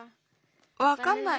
わかんない。